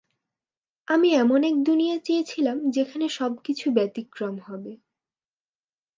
আমি এমন এক দুনিয়া চেয়েছিলাম যেখানে সবকিছু ব্যতিক্রম হবে।